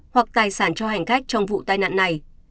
hoặc tài sản cho hành khách trong vụ tai nạn này